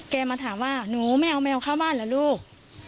มาถามว่าหนูไม่เอาแมวเข้าบ้านเหรอลูก